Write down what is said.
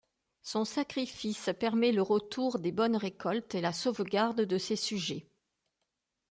Son sacrifice permet le retour des bonnes récoltes et la sauvegarde de ses sujets.